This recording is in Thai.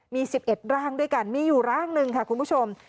มี๑๑ร่างด้วยกันมีอยู่ร่างหนึ่งค่ะคุณผู้ชม